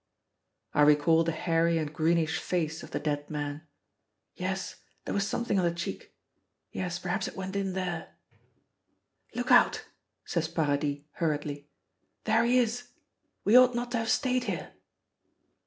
I recall the hairy and greenish face of the dead man. "Yes, there was something on the cheek. Yes, perhaps it went in there " "Look out!" says Paradis hurriedly, "there he is! We ought not to have stayed here."